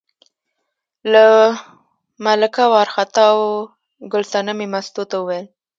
له ملکه وار خطا و، ګل صنمې مستو ته وویل.